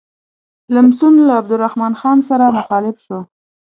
لمسون له عبدالرحمن خان سره مخالف شو.